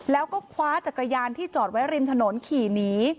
แล้วก็คว้าจักรยานที่จอดไว้ริมถนนขี่หนี